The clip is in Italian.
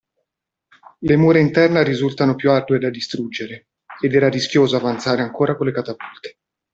Le mura interne risultarono più ardue da distruggere, ed era rischioso avanzare ancora con le catapulte.